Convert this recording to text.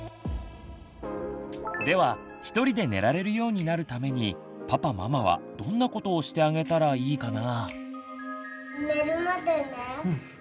ではひとりで寝られるようになるためにパパママはどんなことをしてあげたらいいかな？